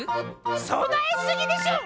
そなえすぎでしょ！